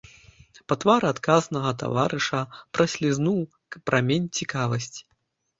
Па твары адказнага таварыша праслізнуў прамень цікавасці.